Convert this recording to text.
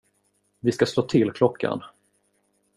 Vi ska slå till klockan.